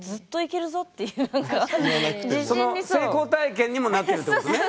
成功体験にもなってるってことね。